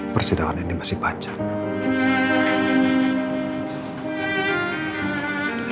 persidangan ini masih panjang